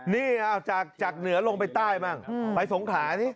นี่เอาจากเหนือลงไปใต้มั่งไปสงขานี่